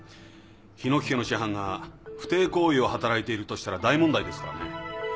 檜家の師範が不貞行為を働いているとしたら大問題ですからね。